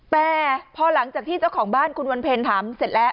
แต่พอหลังจากที่เจ้าของบ้านคุณวันเพ็ญถามเสร็จแล้ว